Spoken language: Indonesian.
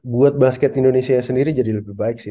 buat basket indonesia sendiri jadi lebih baik sih